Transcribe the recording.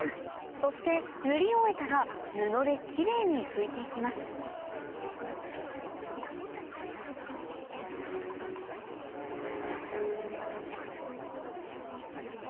そして塗り終えたら布でキレイに拭いて行きますはい。